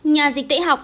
nhà dịch tễ học